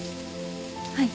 はい。